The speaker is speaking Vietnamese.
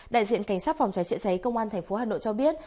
đại diện cảnh sát phòng cháy chữa cháy công an tp hà nội cho biết